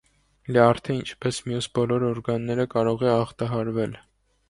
Լյարդը, ինչպես մյուս բոլոր օրգանները, կարող է ախտահարվել։